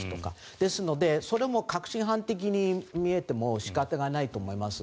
ですので、それも確信犯的に見えても仕方がないと思います。